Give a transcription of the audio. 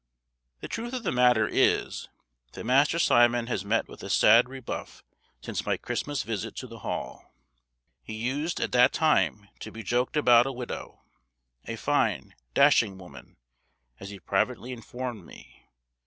The truth of the matter is, that Master Simon has met with a sad rebuff since my Christmas visit to the Hall. He used at that time to be joked about a widow, a fine dashing woman, as he privately informed me.